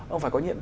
ông phải có nhiệm